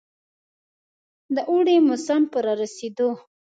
د اوړي موسم په رارسېدو.